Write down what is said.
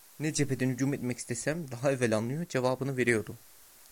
Ne cepheden hücum etmek istesem daha evvel anlıyor, cevabını veriyordu.